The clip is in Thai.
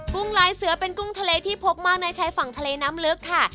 ุ้งลายเสือเป็นกุ้งทะเลที่พบมากในชายฝั่งทะเลน้ำลึกค่ะ